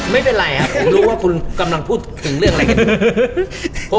ไม่เป็นไรครับผมรู้ว่าคุณกำลังพูดถึงเรื่องอะไรกัน